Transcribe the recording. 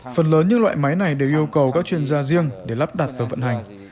phần lớn những loại máy này đều yêu cầu các chuyên gia riêng để lắp đặt và vận hành